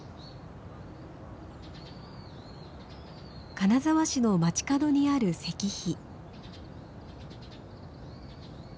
金沢市の街角にある石碑。